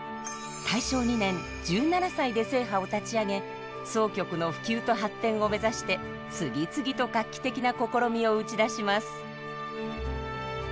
大正２年１７歳で「正派」を立ち上げ箏曲の普及と発展を目指して次々と画期的な試みを打ち出します。